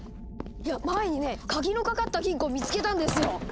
いや前にね鍵のかかった金庫を見つけたんですよ。